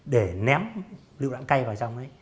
để ném liệu đạn cây vào trong đấy